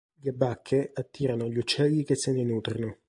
Le bacche attirano gli uccelli che se ne nutrono.